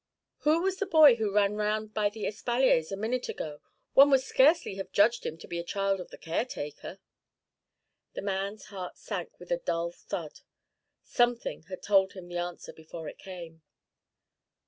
'Who was the boy who ran round by the espaliers a minute ago? One would scarcely have judged him to be a child of the caretaker.' The man's heart sank with a dull thud: something had told him the answer before it came.